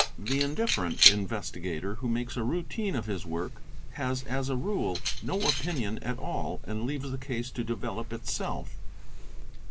sk The indifferent investigator who makes a routine of his work has as a rule no opinion at all and leaves the case to develop itself.